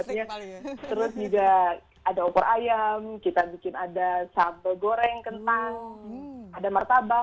terus juga ada opor ayam kita bikin ada sambal goreng kentang ada martabak